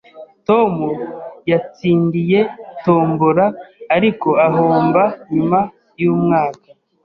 Tom yatsindiye tombola, ariko ahomba nyuma yumwaka